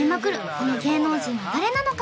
この芸能人は誰なのか？